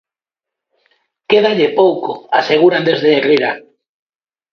"Quédalle pouco", aseguran desde Herrira.